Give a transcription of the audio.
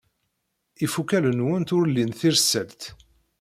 Ifukal-nwent ur lin tirselt.